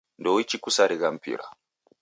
Ndouichi kusarigha mpira.